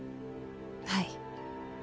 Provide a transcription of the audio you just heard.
はい。